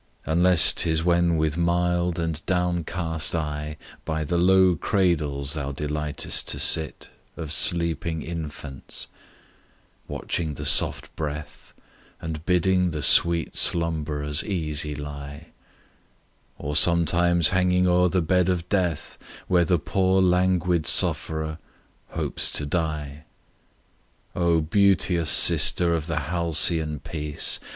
Unless 'tis when with mild and downcast eye By the low cradles thou delight'st to sit Of sleeping infants watching the soft breath, And bidding the sweet slumberers easy lie; Or sometimes hanging o'er the bed of death, Where the poor languid sufferer hopes to die. Oh, beauteous sister of the halcyon peace!